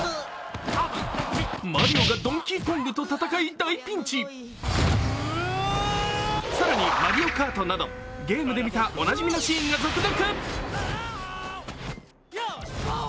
マリオがドンキーコングと戦い大ピンチに、更にマリオカートなど、ゲームで見たおなじみのシーンが続々。